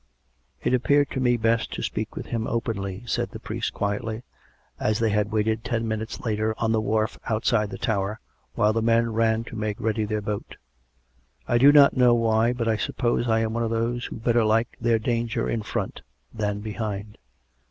" It appeared to me best to speak with him openly," said the priest quietly, as they had waited ten minutes later on the wharf outside the Tower, while the men ran to make ready their boat. " I do not know why, but I suppose I am one of those who better like their danger in front than behind.